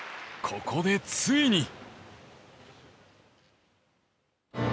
ここで、ついに。